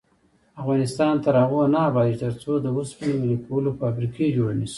افغانستان تر هغو نه ابادیږي، ترڅو د اوسپنې ویلې کولو فابریکې جوړې نشي.